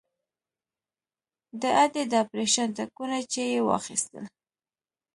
د ادې د اپرېشن ټکونه چې يې واخيستل.